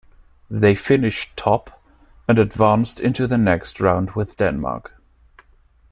They finished top and advanced into the next round with Denmark.